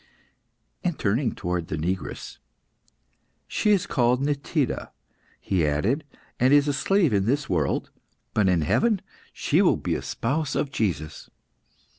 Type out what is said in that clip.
And turning towards the negress "She is called Nitida," he added, "and is a slave in this world, but in heaven she will be a spouse of Jesus."